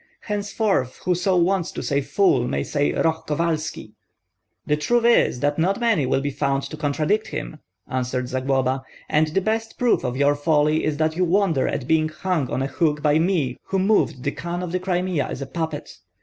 Henceforth whoso wants to say, 'Fool,' may say, 'Roh Kovalski!'" "The truth is that not many will be found to contradict him," answered Zagloba; "and the best proof of your folly is that you wonder at being hung on a hook by me who moved the Khan of the Crimea as a puppet.